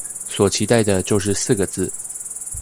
所期待的就是四個字